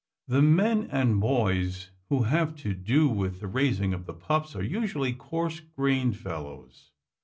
The men and boys who have to do with the raising of the pups are usually coarse grained fel lows.